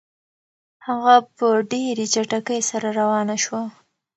هغه په ډېرې چټکۍ سره روانه شوه.